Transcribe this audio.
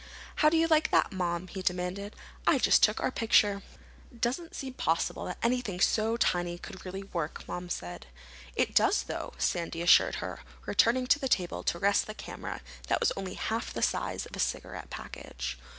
"How do you like that, Mom?" he demanded. "I just took our picture." "Doesn't seem possible that anything so tiny could really work," Mom said. "It does, though," Sandy assured her, returning to the table to reset the camera that was only half the size of a cigarette package.